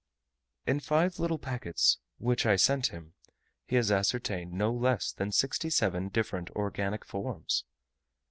In five little packets which I sent him, he has ascertained no less than sixty seven different organic forms!